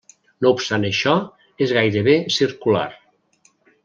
No obstant això, és gairebé circular.